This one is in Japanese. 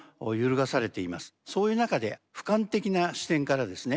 そういう中で俯瞰的な視点からですね